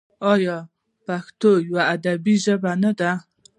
آیا پښتو یوه ادبي ژبه نه ده؟